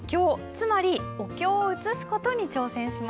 つまりお経を写す事に挑戦します。